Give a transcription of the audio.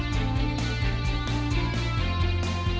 karena ungk quem yang mana itu